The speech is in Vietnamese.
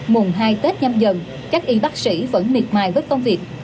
mùng hai tết nhâm dần các y bác sĩ vẫn miệt mài với công việc